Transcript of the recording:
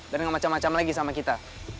dan gak macam macam lagi sama kita